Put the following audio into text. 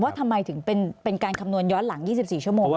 ทำไมถึงเป็นการคำนวณย้อนหลัง๒๔ชั่วโมง